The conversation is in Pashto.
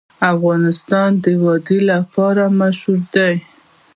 افغانستان د وادي لپاره مشهور دی.